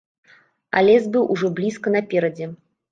А лес быў ужо блізка наперадзе.